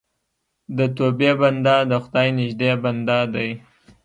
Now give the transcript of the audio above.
د توبې بنده د خدای نږدې بنده دی.